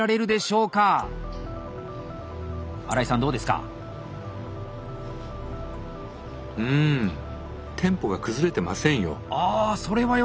うんテンポが崩れてませんよ。